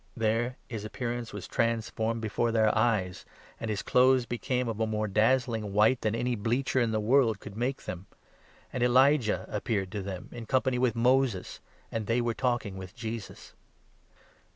There his appearance was transformed before their eyes, and his clothes became 3 of a more dazzling white than any bleacher in the world could make them. And Elijah appeared to them, in company 4 with Moses ; and they were talking with Jesus.